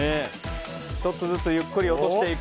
１つずつゆっくり落としていく。